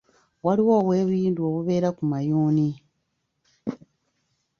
Waliwo obwebindu obubeera ku mayuuni.